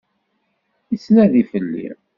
Yettnadi fell-i.